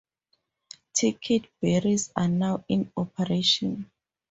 Ticket barriers are now in operation.